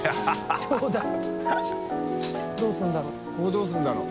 ここどうするんだろう？